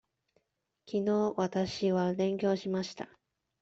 きのうわたしは勉強しました。